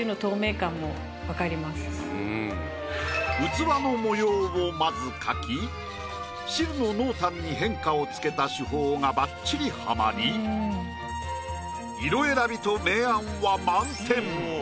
器の模様をまず描き汁の濃淡に変化をつけた手法がばっちりはまり色選びと明暗は満点。